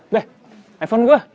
udah iphone gue